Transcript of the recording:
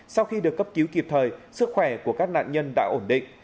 sau khi được cấp cứu kịp thời sức khỏe của các nạn nhân đã ổn định